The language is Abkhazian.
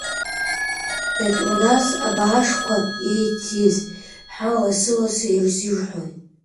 Петронас абаашқәа Еициз ҳәа лассы-лассы ирзырҳәоит.